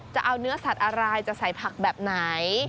จะเอาเนื้อสัตว์อะไรจะใส่ผักแบบไหน